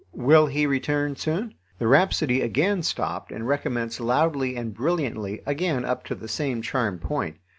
"Will he return soon?" The rhapsody again stopped and recommenced loudly and brilliantly again up to the same charmed point.